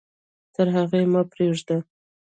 تر هغې مه پرېږده.